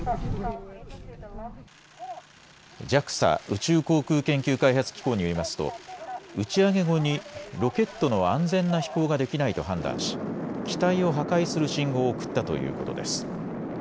ＪＡＸＡ・宇宙航空研究開発機構によりますと打ち上げ後にロケットの安全な飛行ができないと判断し機体を破壊する信号を送ったということです。